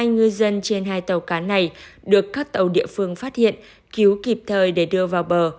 hai ngư dân trên hai tàu cá này được các tàu địa phương phát hiện cứu kịp thời để đưa vào bờ